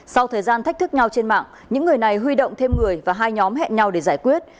sau thời gian thách thức nhau trên mạng những người này huy động thêm người và hai nhóm hẹn nhau để giải quyết